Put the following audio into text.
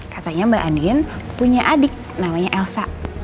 katanya mbak andwin punya adik namanya elsa